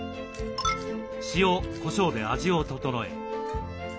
塩こしょうで味を調え。